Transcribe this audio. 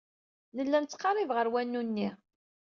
Nella nettqerrib ɣer wanu-nni.